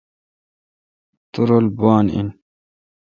تورل بان این۔